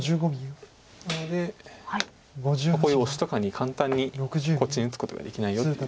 なのでこういうオシとかに簡単にこっちに打つことができないよという。